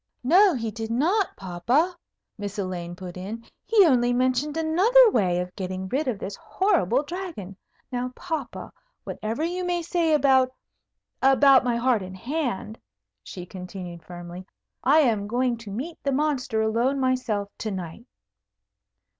"No, he did not, papa," Miss Elaine put in. "He only mentioned another way of getting rid of this horrible Dragon. Now, papa, whatever you may say about about my heart and hand," she continued firmly, "I am going to meet the Monster alone myself, to night."